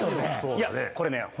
そうだね。